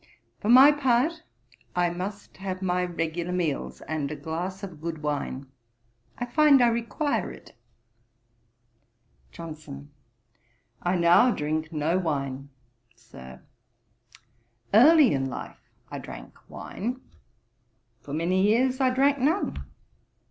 For my part, I must have my regular meals, and a glass of good wine. I find I require it.' JOHNSON. 'I now drink no wine, Sir. Early in life I drank wine: for many years I drank none.